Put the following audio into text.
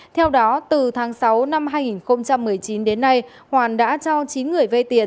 theo đó từ tháng sáu năm hai nghìn một mươi chín đến nay hoàn đã cho chín người vay tiền